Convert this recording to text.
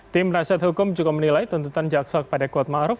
tim penasihat hukum juga menilai tuntutan jaksa kepada kodmaruf